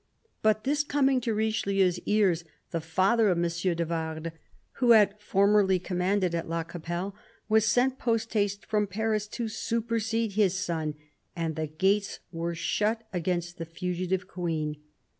But his coming to Richelieu's ears, the father of M. de Vardes, i/ho had formerly commanded at La Capelle, was sent lost haste from Paris to supersede his son, and the gates vere shut against the fugitive Queen.